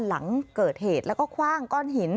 หลังเกิดเหตุแล้วก็คว่างก้อนหิน